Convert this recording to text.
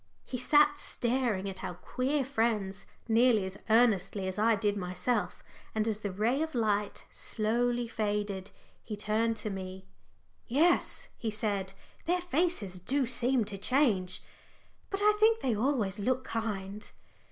He sat staring at our queer friends nearly as earnestly as I did myself. And as the ray of light slowly faded, he turned to me. "Yes," he said, "their faces do seem to change. But I think they always look kind."